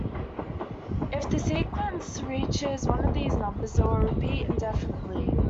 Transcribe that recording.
If the sequence reaches one of these numbers, it will repeat indefinitely.